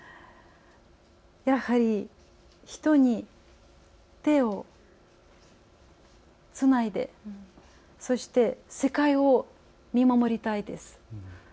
やはり、人に手をつないでそして世界を見守りたいです。